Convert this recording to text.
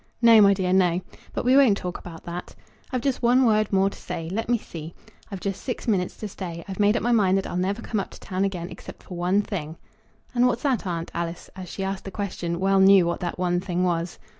"No, my dear; no. But we won't talk about that. I've just one word more to say. Let me see. I've just six minutes to stay. I've made up my mind that I'll never come up to town again, except for one thing." "And what's that, aunt?" Alice, as she asked the question, well knew what that one thing was.